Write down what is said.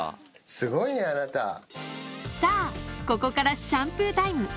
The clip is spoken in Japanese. すごいね、さあ、ここからシャンプータイム。